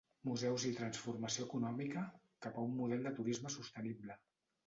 Museus i transformació econòmica, cap a un model de turisme sostenible.